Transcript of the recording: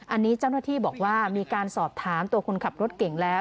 อันนี้เจ้าหน้าที่บอกว่ามีการสอบถามตัวคนขับรถเก่งแล้ว